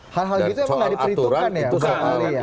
hal hal gitu yang pernah diperhitungkan ya pak ali ya